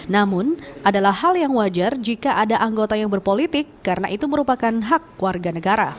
namun adalah hal yang wajar jika ada anggota yang berpolitik karena itu merupakan hak warga negara